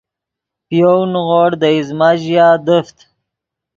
پے یَؤْ نیغوڑ دے ایزمہ ژیا دیفت